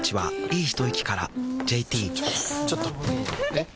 えっ⁉